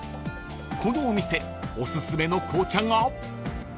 ［このお店おすすめの紅茶が］